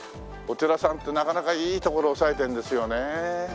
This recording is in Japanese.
お寺さんてなかなかいい所押さえてるんですよねえ。